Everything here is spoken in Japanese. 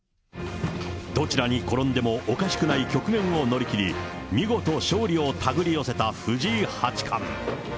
どちらに転んでもおかしくない局面を乗り切り、見事勝利をたぐり寄せた藤井八冠。